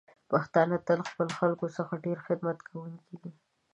پښتانه تل د خپلو خلکو څخه د ډیر خدمت کوونکی دی.